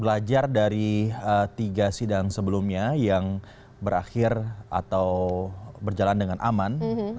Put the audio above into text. belajar dari tiga sidang sebelumnya yang berakhir atau berjalan dengan aman